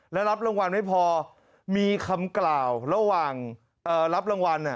แล้วรับรางวัลไม่พอมีคำกล่าวระหว่างรับรางวัล